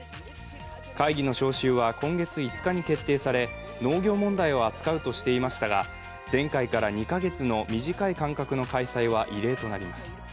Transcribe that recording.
会議の招集は今月５日に決定され、農業問題を扱うとしていましたが、前回から２か月の短い間隔の開催は異例となります。